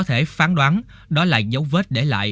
không ở đó em